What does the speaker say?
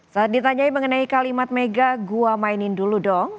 saat ditanyai mengenai kalimat mega gue mainin dulu dong